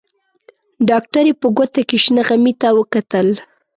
ډاکټرې په ګوته کې شنه غمي ته وکتل.